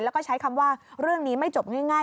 แล้วก็ใช้คำว่าเรื่องนี้ไม่จบง่าย